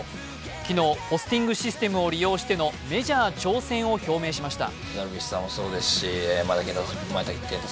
昨日、ポスティングシステムを利用してのメジャー挑戦を表明しました。